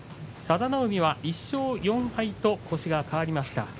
佐田の海は１勝４敗と星が変わりました。